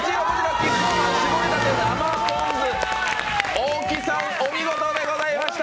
大木さん、お見事でございました。